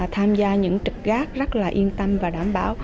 tham gia những trực gác rất là yên tâm và đảm bảo